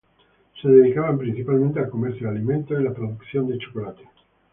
Se dedicaban principalmente al comercio de alimentos y la producción de chocolate.